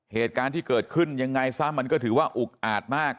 เหตุการณ์ที่เกิดขึ้นยังไงซะมันก็ถือว่าอุกอาดมาก